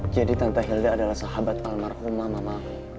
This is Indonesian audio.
jadi tante hilda adalah sahabat alma rumah mama